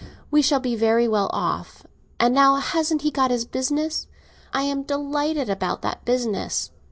We shall be very well off; and now hasn't he got his business? I am delighted about that business."